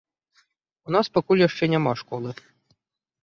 У нас пакуль яшчэ няма школы.